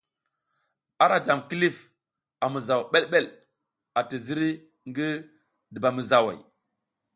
Ara jam kilif a mizaw ɓelɓel ati ziri ngi dubamizaw.